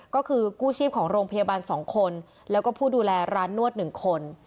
ก็คือกู้ชีพของโรงพยาบาล๒คนแล้วก็ผู้ดูแลร้านนวด๑คน